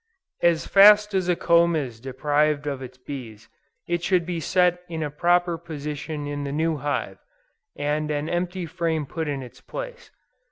As fast as a comb is deprived of its bees, it should be set in a proper position in the new hive, and an empty frame put in its place.